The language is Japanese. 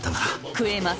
食えます！